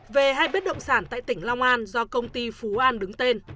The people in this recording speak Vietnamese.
về hai bất động sản tại tỉnh long an do công ty phú an đứng tên